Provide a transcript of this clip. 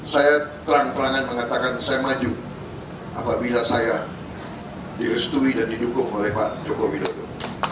saya terang terangan mengatakan saya maju apabila saya direstui dan didukung oleh pak joko widodo